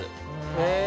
へえ。